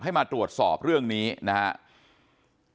มาตรวจสอบเรื่องนี้นะครับ